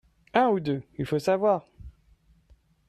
un ou deux il faut savoir.